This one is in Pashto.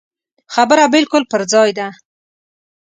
خبره بالکل پر ځای ده.